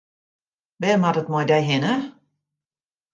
Wêr moat it mei dy hinne?